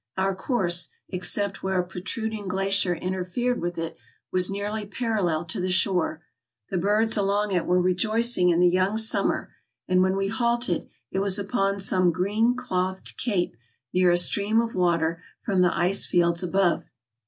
Our course, except where a protruding glacier interfered with it, was nearly parallel to the shore. The birds along it were rejoicing in the young summer, and when we halted it was upon some green clothed cape near a stream of water from the ice fields above.